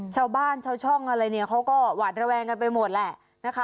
ชาวบ้านชาวช่องอะไรเนี่ยเขาก็หวาดระแวงกันไปหมดแหละนะคะ